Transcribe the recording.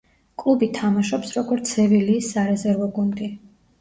კლუბი თამაშობს, როგორც „სევილიის“ სარეზერვო გუნდი.